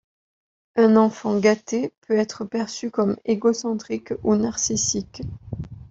Un enfant gâté peut être perçu comme égocentrique ou narcissique.